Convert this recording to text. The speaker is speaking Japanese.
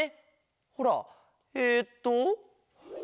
ほらえっと。